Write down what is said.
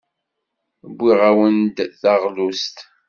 Wwiɣ-awen-d taɣlust.